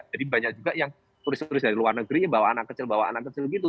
jadi banyak juga yang turis turis dari luar negeri bawa anak kecil bawa anak kecil gitu